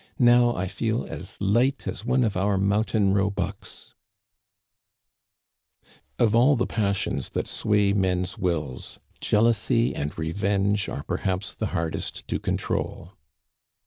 Now I feel as light as one of our mountain roebucks !'" Of all the passions that sway men's wills, jealousy and revenge are perhaps the hardest to control.